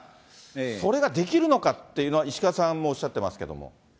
それができるのかっていうのは、石川さんもおっしゃってますけれども。